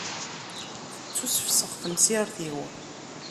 Tettusefsex temsirt-iw.